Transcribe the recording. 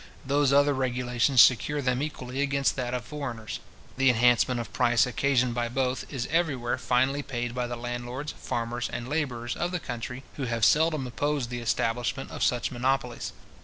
Those other regulations secure them equally against that of foreigners. The enhancement of price occasioned by both is everywhere finally paid by the landlords, farmers, and labourers, of the country, who have seldom opposed the establishment of such monopolies.